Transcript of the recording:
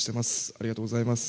ありがとうございます。